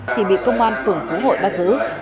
thì bị công an phưởng phủ hội bắt giữ